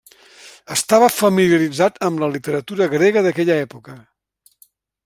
Estava familiaritzat amb la literatura grega d'aquella època.